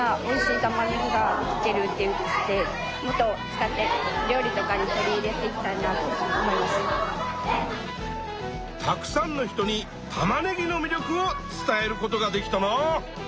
もっと使ってたくさんの人にたまねぎのみりょくを伝えることができたな。